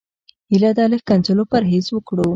هيله ده له ښکنځلو پرهېز وکړو.